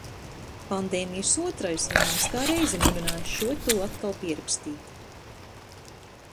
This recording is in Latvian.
Pandēmijas otrais vilnis kā reiz ir mudinājis šo to atkal pierakstīt.